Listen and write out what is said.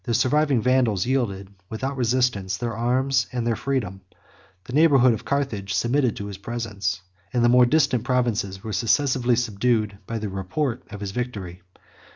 The surviving Vandals yielded, without resistance, their arms and their freedom; the neighborhood of Carthage submitted to his presence; and the more distant provinces were successively subdued by the report of his victory.